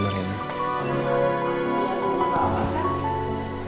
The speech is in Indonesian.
reba palace menunggumu